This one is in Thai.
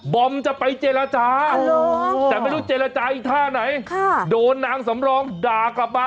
อมจะไปเจรจาแต่ไม่รู้เจรจาอีกท่าไหนโดนนางสำรองด่ากลับมา